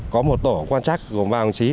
có một tổ quan trắc gồm vàng trí